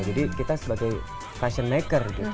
jadi kita sebagai fashion maker gitu